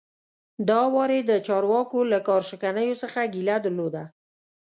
دا وار یې د چارواکو له کار شکنیو څخه ګیله درلوده.